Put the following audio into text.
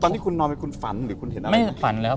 ตอนที่คุณนอนเป็นคุณฝันหรือคุณเห็นอะไรบ๊วยบ๊วยไม่ฝันเลยครับ